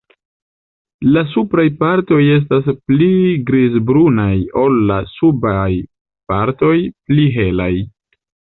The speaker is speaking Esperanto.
La supraj partoj estas pli grizbrunaj ol la subaj partoj pli helaj.